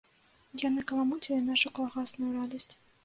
Яны каламуцілі нашу калгасную радасць.